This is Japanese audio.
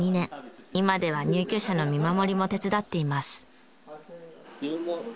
今では入居者の見守りも手伝っています。